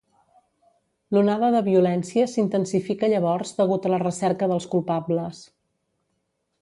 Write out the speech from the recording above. L'onada de violència s'intensifica llavors degut a la recerca dels culpables.